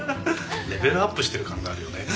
レベルアップしてる感があるよね。